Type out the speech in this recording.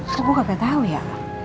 kok gue kagak tau ya